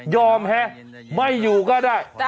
ยอมแฮะไม่อยู่ก็ได้